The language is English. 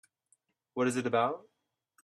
What is it about?